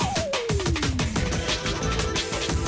สุขดีครับ